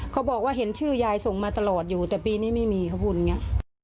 เขาบอกว่าเห็นชื่อยายส่งมาตลอดอยู่แต่ปีนี้ไม่มีเขาพูดอย่างนี้